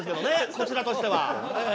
こちらとしてはええ。